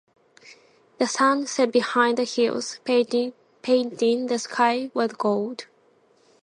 The sun set behind the hills, painting the sky with gold.